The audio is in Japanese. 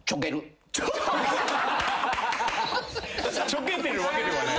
ちょけてるわけではない。